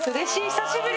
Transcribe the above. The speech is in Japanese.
久しぶり！